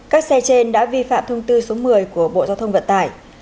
các xe trên đã vi phạm thông tư số một mươi của bộ giao thông vận tải